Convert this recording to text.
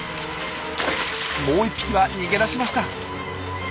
もう１匹は逃げ出しました。